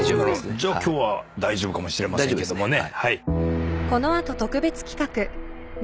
じゃあ今日は大丈夫かもしれませんけどもね。